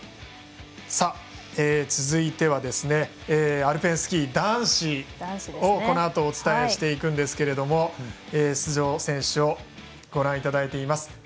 続いては、アルペンスキー男子をこのあとお伝えしていくんですけれども出場選手をご覧いただいています。